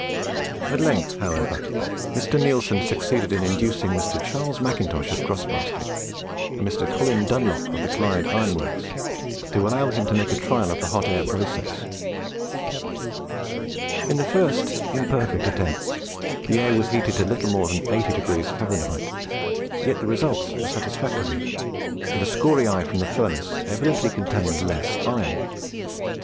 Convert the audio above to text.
At length, however, Mr. Neilson succeeded in inducing Mr. Charles Macintosh of Crossbasket, and Mr. Colin Dunlop of the Clyde Iron Works, to allow him to make a trial of the hot air process. In the first imperfect attempts the air was heated to little more than 80 degrees Fahrenheit, yet the results were satisfactory, and the scoriae from the furnace evidently contained less iron.